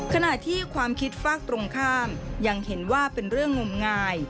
ขณะที่ความคิดฝากตรงข้ามยังเห็นว่าเป็นเรื่องงมงาย